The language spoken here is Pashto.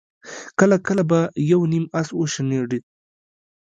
کله کله به يو نيم آس وشڼېد.